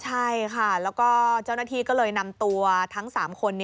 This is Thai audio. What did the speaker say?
ใช่ค่ะแล้วก็เจ้าหน้าที่ก็เลยนำตัวทั้ง๓คน